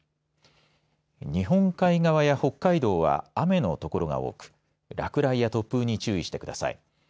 日本海側や北海道は雨の所が多く落雷や突風に注意してください。